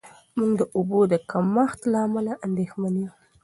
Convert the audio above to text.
موږ د اوبو د کمښت له امله اندېښمن یو.